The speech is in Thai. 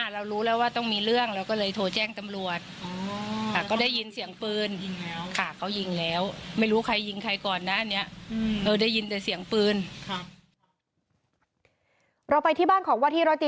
เราไปที่บ้านของวัฒนีรติชีวิต